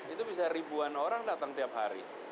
itu bisa ribuan orang datang tiap hari